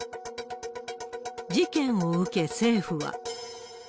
事件を受け、政府は。